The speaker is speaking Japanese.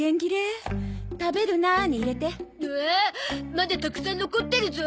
まだたくさん残ってるゾ。